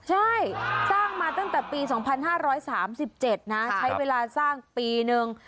ใช่สร้างมาตั้งแต่ปี๒๕๓๗นะใช้เวลาสร้างปีนึง